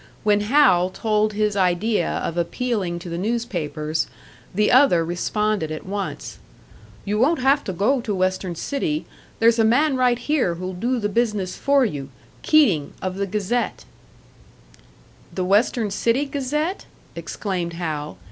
When Hal told his idea of appealing to the newspapers, the other responded at once, "You won't have to go to Western City. There's a man right here who'll do the business for you; Keating, of the Gazette." "The Western City Gazette?" exclaimed Hal.